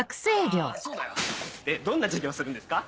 あそうだよ。どんな授業するんですか？